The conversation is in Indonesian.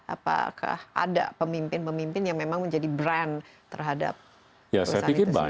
apakah ada pemimpin pemimpin yang memang menjadi brand terhadap perusahaan itu sendiri